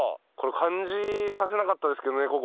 これ感じさせなかったですけどね